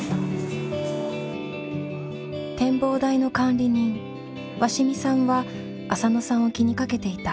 展望台の管理人鷲見さんは浅野さんを気にかけていた。